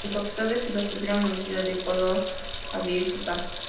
Es profesor de filosofía en la Universidad de Cocody-Abidjan.